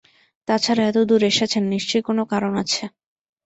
তা ছাড়া এত দূর এসেছেন, নিশ্চয়ই কোনো কারণ আছে।